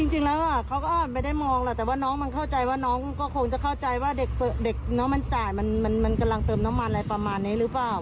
จริงแล้วเขาก็ไม่ได้มองหรอกแต่ว่าน้องมันเข้าใจว่าน้องก็คงจะเข้าใจว่าเด็กน้องมันจ่ายมันกำลังเติมน้ำมันอะไรประมาณนี้หรือเปล่า